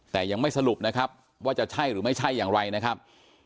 แต่ยังไม่สรุปนะครับว่าจะใช่หรือไม่ใช่อย่างไรนะครับ